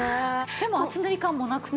でも厚塗り感もなくて。